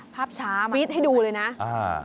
ภาพช้ามากเลยนะครับฟิตให้ดูเลยนะ